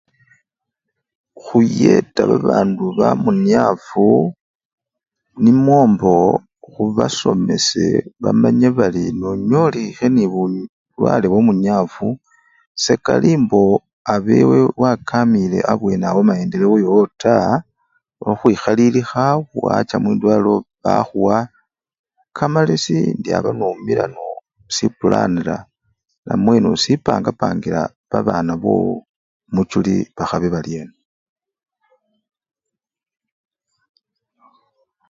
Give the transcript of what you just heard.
Khuyeta babandu bamunyafu nimwo mboo khubasomesye bamanye bari nonyolikhe nebulwale bwamunyafu sekalimbo abewe wakamilawo nende maendeleo yowo taa nokhwikhalilikha wacha mwidwalilo bakhuwa kamalesi ndyaba nomila ngosipulanila namwe nosipangapangila babana bowo muchuli bakhabe barye.